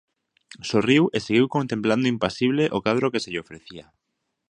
Sorriu e seguiu contemplando impasible o cadro que se lle ofrecía.